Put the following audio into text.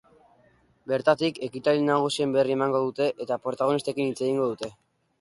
Bertatik, ekitaldi nagusien berri emango dute eta protagonistekin hitz egingo dute.